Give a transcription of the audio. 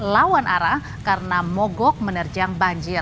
lawan arah karena mogok menerjang banjir